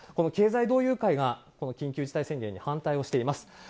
経済同友会が緊急事態宣言に反対をしています。